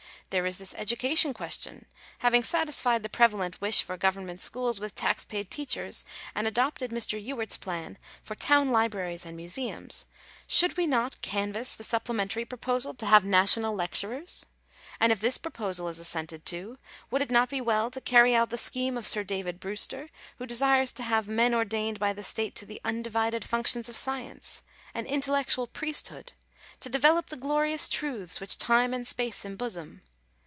There is this educa tion question : having satisfied the prevalent wish for govern ment schools with tax paid teachers, and adopted Mr. E wart's plan for town libraries and museums, should we not canvass the Digitized by VjOOQIC 286 THE LIMIT OF STATE DUTY. supplementary proposal to have national lecturers ? and if this proposal is assented to, would it not be well to carry out the scheme of Sir David Brewster, who desires to have " men or dained by the State to the undivided functions of science "—" an intellectual priesthood," " to develop the glorious truths which time and space embosom